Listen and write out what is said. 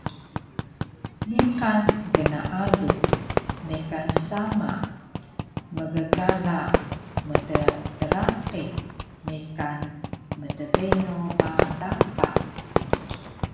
Niqan gnaalu, mekan sama, mgkala mttraqil, mekan mtbeno ba dapa